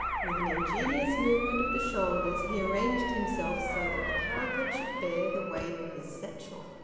With an ingenious movement of the shoulders he arranged himself so that the parapet should bear the weight of his satchel.